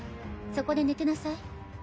そこで寝てなさい。